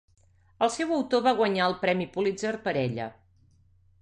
El seu autor va guanyar el premi Pulitzer per ella.